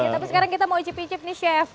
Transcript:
tapi sekarang kita mau icip icip nih chef